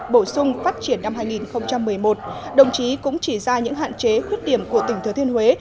bổ sung phát triển năm hai nghìn một mươi một đồng chí cũng chỉ ra những hạn chế khuyết điểm của tỉnh thừa thiên huế